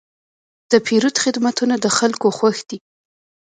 د پیرود خدمتونه د خلکو خوښ دي.